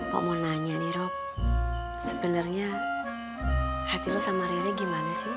pok mau nanya nih rob sebenernya hati lo sama rere gimana sih